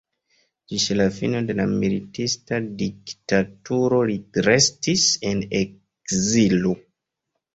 Ĝis la fino de la militista diktaturo li restis en ekzilo.